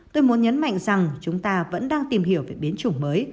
tôi muốn nhấn mạnh rằng chúng ta vẫn đang tìm hiểu về biến chủng mới